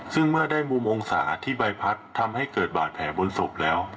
ซึ่งเมื่อได้มูมองศาที่ใบพัดทำให้เกิดบาดแผลบนศพแล้ว